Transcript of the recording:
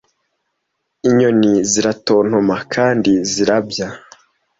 inyoni ziratontoma kandi zirabya